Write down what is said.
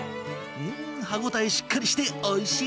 うーん歯応えしっかりして美味しい！